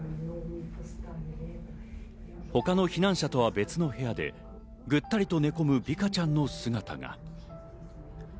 他の避難者とは別の部屋でぐったりと寝込むヴィカちゃんの姿が。